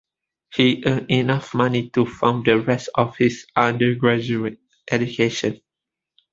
He earned enough money to fund the rest of his undergraduate education.